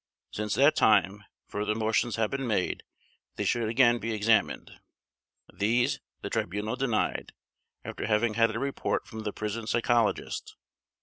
Since that time further motions have been made that he should again be examined. These the Tribunal denied, after having had a report from the prison psychologist.